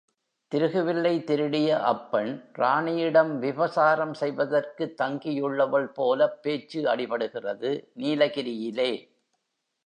திருகுவில்லை திருடிய அப்பெண் ராணியிடம் விபசாரம் செய்வதற்குத் தங்கியுள்ளவள்போலப் பேச்சு அடிபடுகிறது, நீலகிரியிலே!